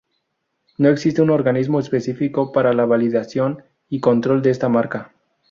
No existe un organismo específico para la validación y control de esta marca.